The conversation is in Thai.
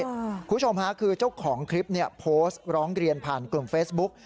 คุณผู้ชมค่ะคือเจ้าของคลิปเนี่ยโพสต์ร้องเรียนผ่านกลุ่มเฟซบุ๊ก